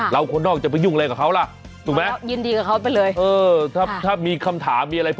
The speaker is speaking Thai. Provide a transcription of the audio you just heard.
แล้วคนนอกจะไปยุ่งอะไรกับเขาล่ะ